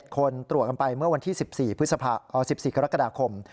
คนตรวจกันไปเมื่อวันที่๑๔กรกฎาคม